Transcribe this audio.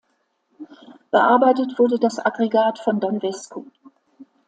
Bearbeitet wurde das Aggregat von Don Vesco.